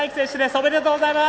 ありがとうございます。